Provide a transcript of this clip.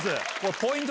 ポイント